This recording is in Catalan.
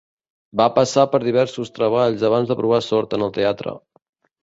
Va passar per diversos treballs abans de provar sort en el teatre.